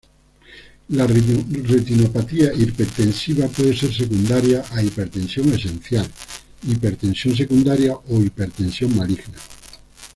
La retinopatía hipertensiva puede ser secundaria a hipertensión esencial, hipertensión secundaria o hipertensión maligna.